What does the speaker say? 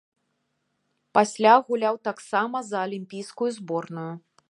Пасля гуляў таксама за алімпійскую зборную.